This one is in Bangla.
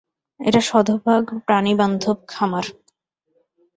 এটা শতভাগ প্রাণীবান্ধব খামার।